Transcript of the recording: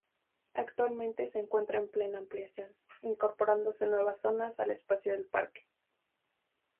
Actualmente se encuentra en plena ampliación, incorporándose nuevas zonas al espacio del parque.